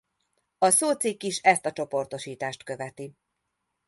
A szócikk is ezt a csoportosítást követi.